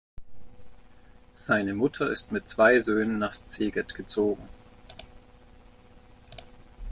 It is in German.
Seine Mutter ist mit zwei Söhnen nach Szeged gezogen.